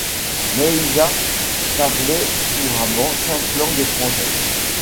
Maysa parlait couramment cinq langues étrangères.